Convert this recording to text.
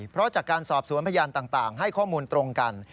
เพราะจากการสอบสวนพยานต่างให้ข้อมูลตรงกัน